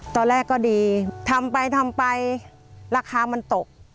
ตอนแรกก็ดีทำไปทำไปราคามันตก